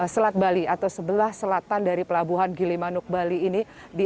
selat bali atau sebelah selatan dari pelabuhan gilimanuk bali ini